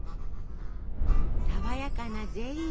さわやかなゼリー！